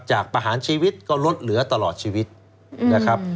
ประหารชีวิตก็ลดเหลือตลอดชีวิตนะครับ